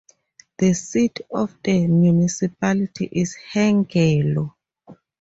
The seat of the municipality is Hengelo.